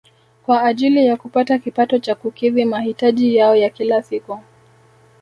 Kwa ajili ya kupata kipato cha kukidhi mahitaji yao ya kila siku